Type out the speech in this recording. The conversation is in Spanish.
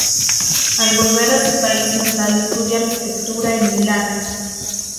Al volver a su país natal estudia arquitectura en Milán.